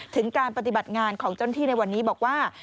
ถึงการปฏิบัติงานของเจ้าหน้าที่ในวันนี้บอกว่า